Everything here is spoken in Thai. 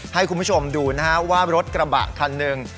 ให้คุณผู้ชมดูนะฮะว่ารถกระบะคันหนึ่ง